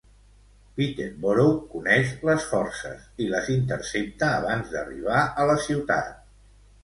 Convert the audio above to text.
Peterborough coneix les forces i les intercepta abans d'arribar a la ciutat.